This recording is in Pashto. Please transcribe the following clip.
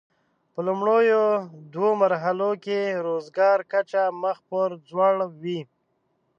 په لومړیو دوو مرحلو کې د روزګار کچه مخ پر ځوړ وي.